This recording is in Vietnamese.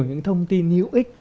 những thông tin hữu ích